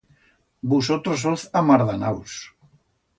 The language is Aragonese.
Vusotros soz amardanaus.